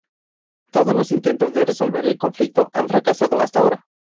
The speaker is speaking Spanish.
Todos los intentos de resolver el conflicto han fracasado hasta ahora.